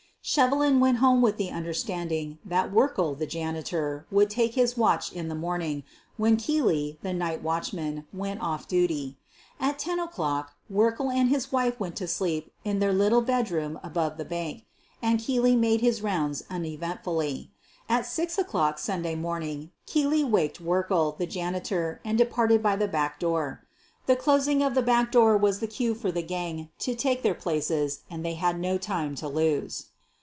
Shevelin went home with the understanding that Werkle, the janitor, would take his watch in the morning, when Keely, the night watchman, went off duty. At 10 o'clock, Werkle and his wife went to sleep in their little bedroom above the bank, and Keely made his rounds uneventfully. At 6 o'clock, Sunday morning, Keely waked Werkle, the janitor, and departed by the back door. The closing of the back door was the cue for the gang to take their places and they had no time to lose.